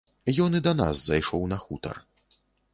Ён і да нас зайшоў на хутар.